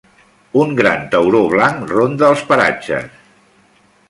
Un gran tauró blanc ronda als paratges.